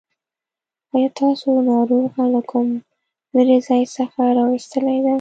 آيا تاسو ناروغه له کوم لرې ځای څخه راوستلې ده.